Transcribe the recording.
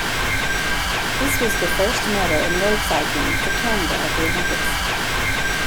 This was the first medal in road cycling for Canada at the Olympics.